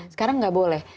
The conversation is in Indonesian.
sekarang nggak boleh